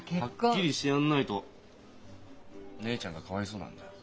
はっきりしてやんないと姉ちゃんがかわいそうなんだよ。